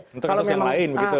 untuk kasus yang lain begitu